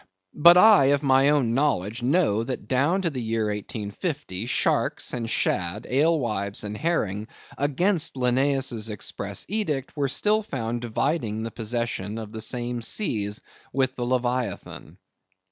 But of my own knowledge, I know that down to the year 1850, sharks and shad, alewives and herring, against Linnæus's express edict, were still found dividing the possession of the same seas with the Leviathan.